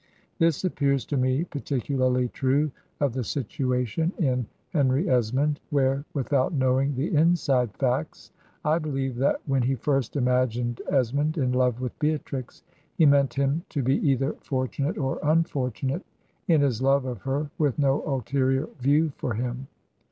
This appears to me particularly true of the situation in " Henry Es mond/' where (without knowing the "inside facts") I believe that when he first imagined Esmond in love with Beatrix, he meant him to be either fortunate or imf ortunate in his love of her with no ulterior view for him.